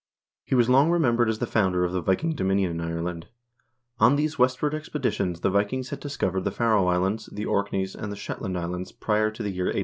He was long remembered as the founder of the Viking dominion in Ireland. On these westward expeditions the Vikings had discovered the Faroe Islands, the Orkneys, and the Shetland Islands prior to the year 800.